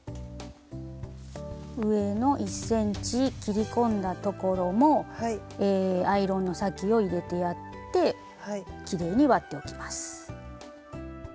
上の１ｃｍ切り込んだところもアイロンの先を入れてやってきれいに割っておきます。